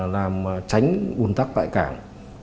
làm tránh buồn tắc tại cảng